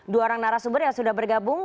dua orang narasumber yang sudah bergabung